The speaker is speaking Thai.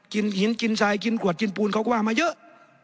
หินกินทรายกินขวดกินปูนเขาก็ว่ามาเยอะ